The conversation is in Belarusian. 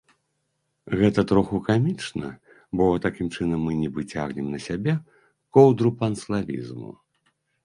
Гэта троху камічна, бо такім чынам мы нібы цягнем на сябе коўдру панславізму.